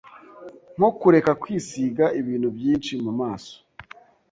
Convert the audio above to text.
nko kureka kwisiga ibintu byinshi mu maso